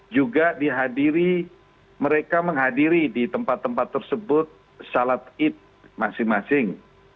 juga dihadiri mereka menghadiri di tempat tempat tersebut salat id masing masing